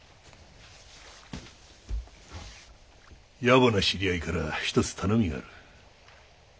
野暮な知り合いからひとつ頼みがある。